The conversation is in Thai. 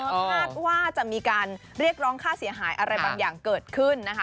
ก็คาดว่าจะมีการเรียกร้องค่าเสียหายอะไรบางอย่างเกิดขึ้นนะคะ